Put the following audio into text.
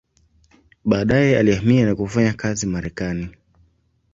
Baadaye alihamia na kufanya kazi Marekani.